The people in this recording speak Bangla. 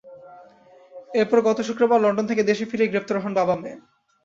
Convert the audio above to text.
এরপর গত শুক্রবার লন্ডন থেকে দেশে ফিরেই গ্রেপ্তার হন বাবা মেয়ে।